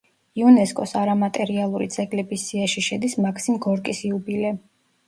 იუნესკოს არამატერიალური ძეგლების სიაში შედის მაქსიმ გორკის იუბილე.